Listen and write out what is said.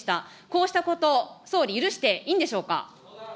こうしたこと、総理、許していいんでしょうか。